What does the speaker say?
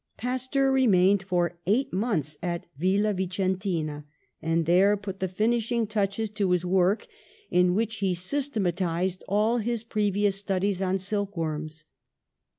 Pasteur remained for eight months at Villa Vicentina, and there put the finishing touches to 100 PASTEUR his work, in which he systematised all his pre vious studies on silk worms.